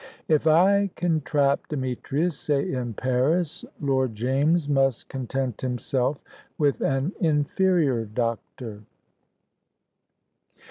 If I can trap Demetrius say in Paris Lord James must content himself with an inferior doctor."